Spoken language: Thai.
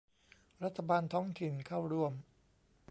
รัฐบาลท้องถิ่นเข้าร่วม